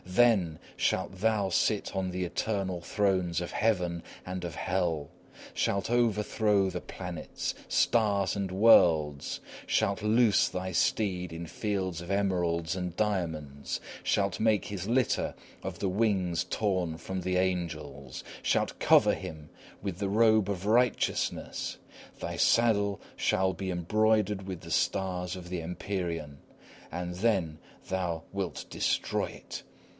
Then shalt thou sit on the eternal thrones of heaven and of hell shalt overthrow the planets, stars, and worlds shalt loose thy steed in fields of emeralds and diamonds shalt make his litter of the wings torn from the angels, shalt cover him with the robe of righteousness! Thy saddle shall be broidered with the stars of the empyrean, and then thou wilt destroy it!